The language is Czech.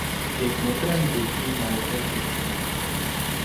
Je kmotrem dětí Michaela Jacksona.